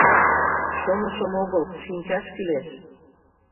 — Шонышым огыл, шинчаш кӱлеш!